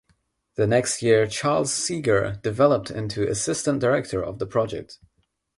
The next year Charles Seeger developed into assistant director of the project.